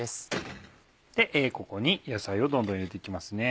ここに野菜をどんどん入れて行きますね。